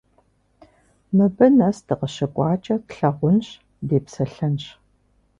Мыбы нэс дыкъыщыкӀуакӀэ тлъагъунщ, депсэлъэнщ.